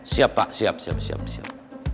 siap pak siap siap